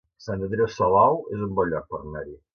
Sant Andreu Salou es un bon lloc per anar-hi